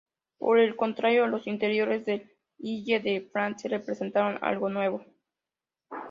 Por el contrario, los interiores del "Île de France" representaron algo nuevo.